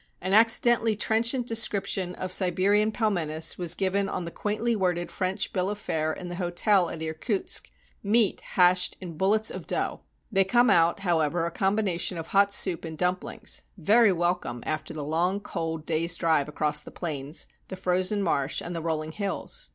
An accidentally trenchant description of Sibe rian pehnenes was given on the quaintly worded French bill of fare in the hotel at Irkutsk: "Meat hashed in bul lets of dough." They come out, however, a combination of hot soup and dumplings, very welcome after the long cold day's drive across the plains, the frozen marsh, and the rolling hills.